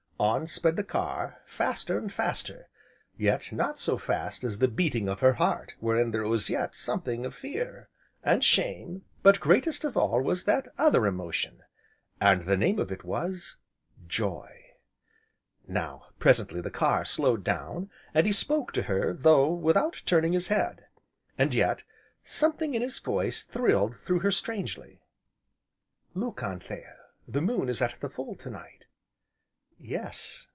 On sped the car, faster, and faster, yet not so fast as the beating of her heart wherein there was yet something of fear, and shame, but greatest of all was that other emotion, and the name of it was Joy. Now, presently, the car slowed down, and he spoke to her, though without turning his head. And yet, something in his voice thrilled through her strangely. "Look Anthea, the moon is at the full, to night." "Yes!"